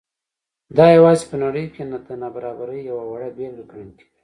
دا یوازې په نړۍ کې د نابرابرۍ یوه وړه بېلګه ګڼل کېږي.